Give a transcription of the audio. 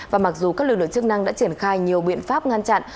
và mặc dù các lực lượng chức năng đã triển khai nhiều biện pháp ngăn chặn